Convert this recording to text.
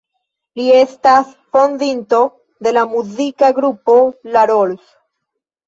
Li estas fondinto de la muzika grupo La Rolls.